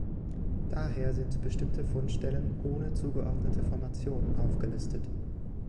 Daher sind bestimmte Fundstellen ohne zugeordnete Formation aufgelistet.